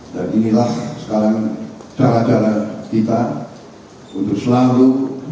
dan inilah sekarang cara cara kita untuk selalu